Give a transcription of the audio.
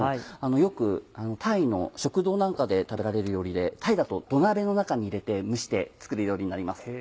よくタイの食堂なんかで食べられる料理でタイだと土鍋の中に入れて蒸して作る料理になります。